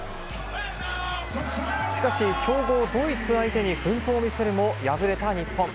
しかし強豪ドイツ相手に奮闘を見せるも敗れた日本。